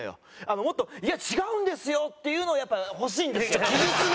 もっと「いや違うんですよ！」っていうのがやっぱ欲しいんですよ。